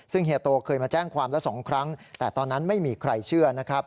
ซึ่งเฮียโตเคยมาแจ้งความละ๒ครั้งแต่ตอนนั้นไม่มีใครเชื่อนะครับ